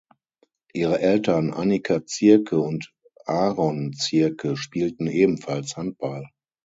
Ihre Eltern Anika Ziercke und Aaron Ziercke spielten ebenfalls Handball.